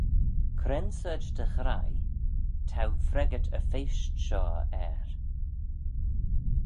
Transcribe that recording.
Cre'n sorçh dy ghreie t'ou freggyrt y feysht shoh er?